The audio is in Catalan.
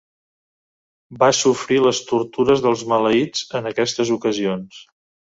Va sofrir les tortures dels maleïts en aquestes ocasions.